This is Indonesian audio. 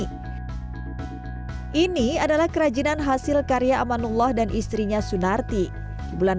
hai ini adalah kerajinan hasil karya amanullah dan istrinya sunarti riulan